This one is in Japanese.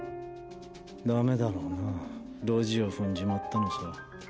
ダメだろうなドジを踏んじまったのさ。